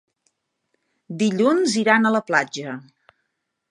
Dilluns iran a la platja.